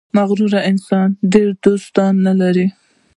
• مغرور انسان ډېر دوستان نه لري.